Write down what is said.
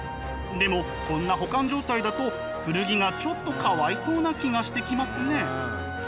でもこんな保管状態だと古着がちょっとかわいそうな気がしてきますね。